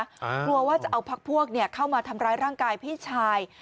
กลัวว่าจะเอาพักพวกเข้ามาทำร้ายร่างกายพี่ชาย